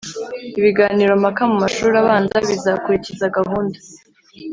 ibiganiro mpaka mu mashuri abanza bizakurikiza gahunda